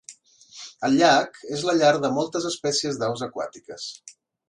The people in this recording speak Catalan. El llac és la llar de moltes espècies d'aus aquàtiques.